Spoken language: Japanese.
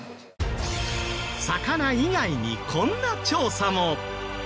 魚以外にこんな調査も！